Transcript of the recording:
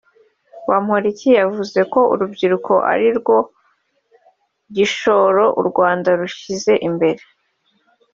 Bamporiki yavuze ko urubyiruko ari rwo gishoro u Rwanda rushyize imbere